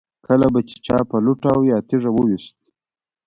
کله به چې چا په لوټه او یا تیږه و ویشت.